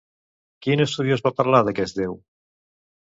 Quin estudiós va parlar d'aquest déu?